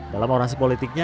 dalam orasi politiknya